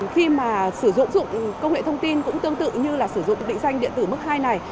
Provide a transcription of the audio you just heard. khi mà sử dụng dụng công nghệ thông tin cũng tương tự như là sử dụng định danh điện tử mức hai này